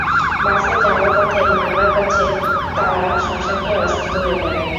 বাসে যাওয়ার পথে ভাঙ্গার কাছে তাঁরা শসা খেয়ে অসুস্থ হয়ে পড়েন।